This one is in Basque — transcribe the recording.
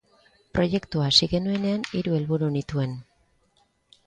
Proiektua hasi genuenean hiru helburu nituen.